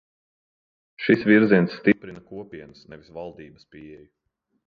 Šis virziens stiprina Kopienas, nevis valdības pieeju.